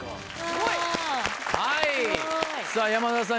山田さん